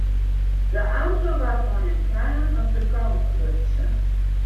De auto waard mei in kraan op de kant lutsen.